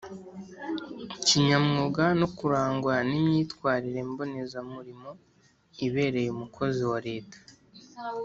kinyamwuga no kurangwa n imyitwarire mbonezamurimo ibereye Umukozi wa Leta